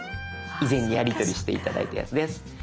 以前やり取りして頂いたやつです。